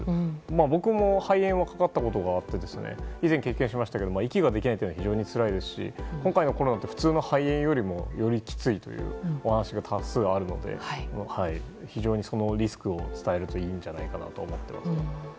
僕も肺炎かかったことがあって以前経験しましたが息ができないのは非常につらいですし今回のコロナって普通の肺炎よりもよりきついというお話が多数あるのでそのリスクを伝えるといいんじゃないかと思います。